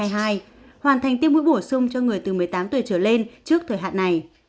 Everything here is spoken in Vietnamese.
hoàn thành tiêm mũi bổ sung cho người từ một mươi tám tuổi trở lên trước thời hạn này